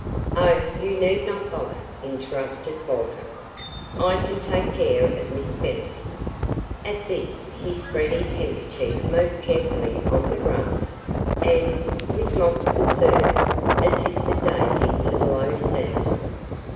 "Oh, you need not bother," interrupted Walter. "I can take care of Miss Bennet." At this he spread his handkerchief most carefully on the grass, and, with mock concern, assisted Daisy to the low seat.